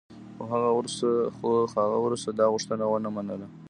خو هغه ورسره دا غوښتنه و نه منله.